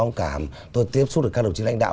ông cảm tôi tiếp xúc được các đồng chí lãnh đạo